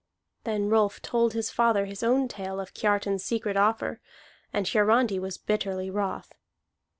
Then Rolf told to his father his own tale of Kiartan's secret offer, and Hiarandi was bitterly wroth.